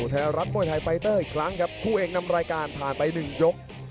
ไปเวลาอีกครั้งครับคู่เองนำรายการผ่านไปหนึ่งยก